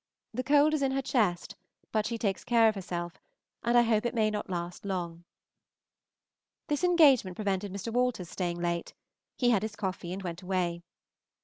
The cold is in her chest, but she takes care of herself, and I hope it may not last long. This engagement prevented Mr. Walter's staying late, he had his coffee and went away.